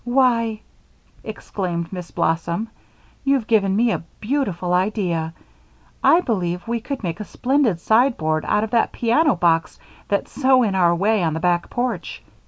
"Why," exclaimed Miss Blossom, "you've given me a beautiful idea! I believe we could make a splendid sideboard out of that piano box that's so in our way on the back porch.